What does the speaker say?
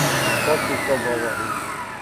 Ко ти то говори?